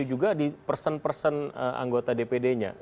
juga di person person anggota dpd nya